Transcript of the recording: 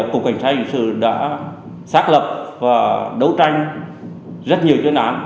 cục cảnh sát hình sự đã xác lập và đấu tranh rất nhiều chuyên án